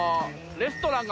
レストラン？